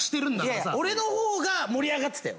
いやいや俺の方が盛り上がってたよ。